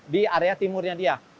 di area timurnya dia